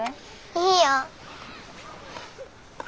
いいよ。